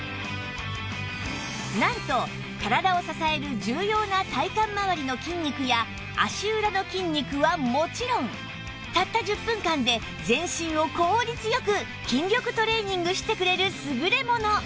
なんと体を支える重要な体幹まわりの筋肉や足裏の筋肉はもちろんたった１０分間で全身を効率よく筋力トレーニングしてくれる優れもの